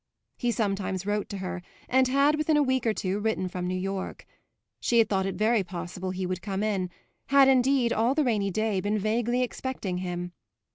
He sometimes wrote to her and had within a week or two written from New York. She had thought it very possible he would come in had indeed all the rainy day been vaguely expecting him.